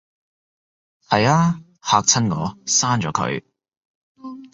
係吖，嚇親我，刪咗佢